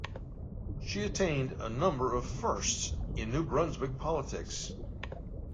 She attained a number of "firsts" in New Brunswick politics.